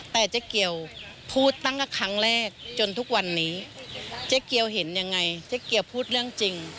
แต่เจ๊เกียวพูดตั้งแต่ครั้งแรกจนทุกวันนี้เจ๊เกียวเห็นยังไงเจ๊เกียวพูดเรื่องจริง